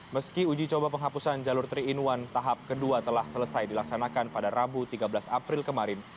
meski uji coba penghapusan jalur tiga in satu tahap kedua telah selesai dilaksanakan pada rabu tiga belas april kemarin